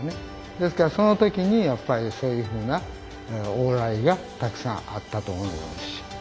ですからその時にやっぱりそういうふうな往来がたくさんあったと思う。